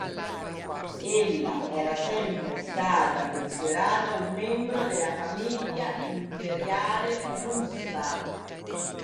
Ella era sempre stata considerata un membro della famiglia imperiale russa.